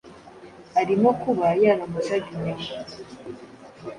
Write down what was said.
arimo kuba yaramucaga inyuma